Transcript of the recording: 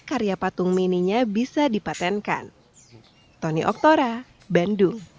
karya patung mininya bisa dipatenkan